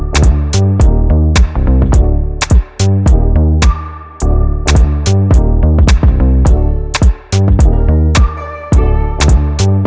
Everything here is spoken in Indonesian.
tapi apa kamu ingin tahu